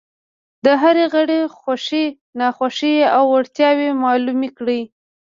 د هر غړي خوښې، ناخوښې او وړتیاوې معلومې کړئ.